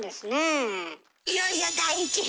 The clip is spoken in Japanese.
いよいよ第１位！